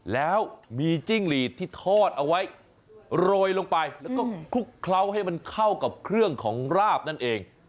แล้วมีจิ้งหลีดที่ทอดเอาไว้โรยลงไปแล้วก็คลุกเคล้าให้มันเข้ากับเครื่องของราบนั่นเอง